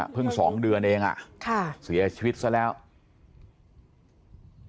เพิ่ง๒เดือนเองเสียชีวิตซะแล้วค่ะ